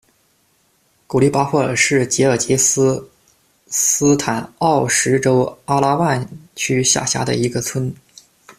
古丽巴霍尔是吉尔吉斯斯坦奥什州阿拉万区下辖的一个村。